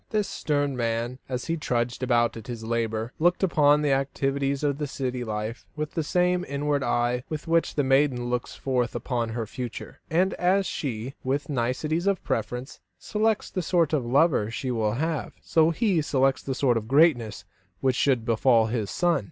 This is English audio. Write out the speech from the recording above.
This stern man, as he trudged about at his labour, looked upon the activities of city life with that same inward eye with which the maiden looks forth upon her future; and as she, with nicety of preference, selects the sort of lover she will have, so he selected the sort of greatness which should befall his son.